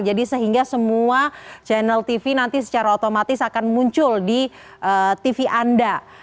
jadi sehingga semua channel tv nanti secara otomatis akan muncul di tv anda